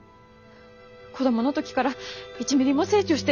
子供の時から１ミリも成長してない。